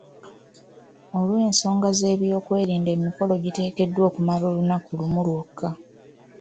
Olw'ensonga z'ebyokwerinda, emikolo giteekeddwa okumala olunaku lumu lwokka.